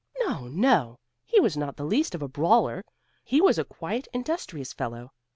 "No, no! he was not the least of a brawler; he was a quiet industrious fellow.